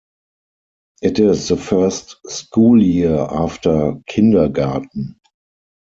It is the first school year after kindergarten.